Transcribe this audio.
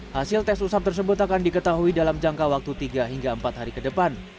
hasil tes usap tersebut akan diketahui dalam jangka waktu tiga hingga empat hari ke depan